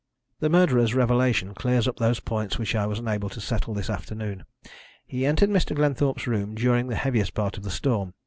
"The murderer's revelation clears up those points which I was unable to settle this afternoon. He entered Mr. Glenthorpe's room during the heaviest part of the storm.